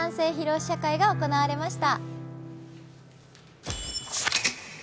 試写会が開かれました。